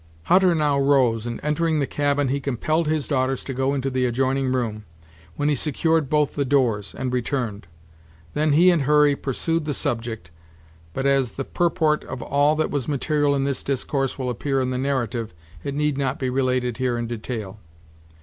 Hutter now rose, and, entering the cabin, he compelled his daughters to go into the adjoining room, when he secured both the doors, and returned. Then he and Hurry pursued the subject; but, as the purport of all that was material in this discourse will appear in the narrative, it need not be related here in detail.